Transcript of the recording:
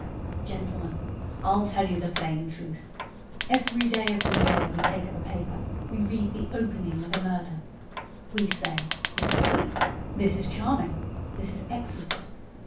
"Gentlemen, I'll tell you the plain truth. Every day of the year we take up a paper, we read the opening of a murder. We say, this is good, this is charming, this is excellent!